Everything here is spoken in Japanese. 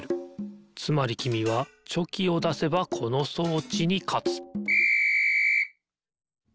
つまりきみはチョキをだせばこの装置にかつピッ！